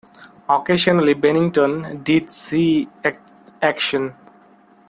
Occasionally, "Bennington" did see action.